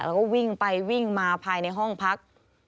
แล้วก็วิ่งไปวิ่งมาภายในห้องพัก